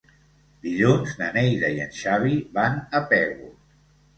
Dilluns na Neida i en Xavi van a Pego.